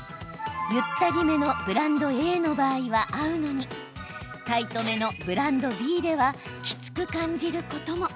ゆったりめのブランドＡの場合は合うのにタイトめのブランドＢではきつく感じることも。